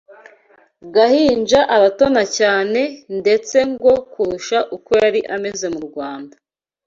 gahinja aratona cyane ndetse ngo kurusha uko yari ameze mu Rwanda